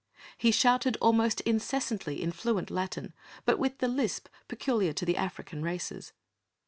He shouted almost incessantly in fluent Latin, but with the lisp peculiar to the African races.